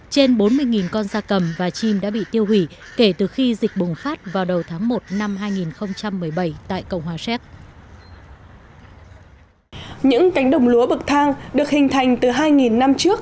trên bốn mươi con gia cầm và chim đã bị tiêu hủy kể từ khi dịch bùng phát vào đầu tháng một năm hai nghìn một mươi chín